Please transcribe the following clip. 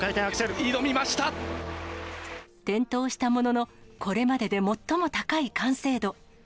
転倒したものの、これまでで最も高い完成度。